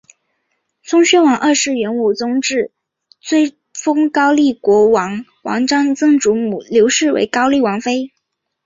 忠宣王二年元武宗降制追封高丽国王王璋曾祖母柳氏为高丽王妃。